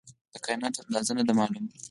د کائنات اندازه نه ده معلومه.